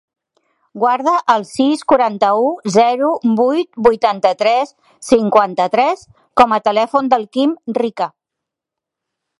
Guarda el sis, quaranta-u, zero, vuit, vuitanta-tres, cinquanta-tres com a telèfon del Quim Rica.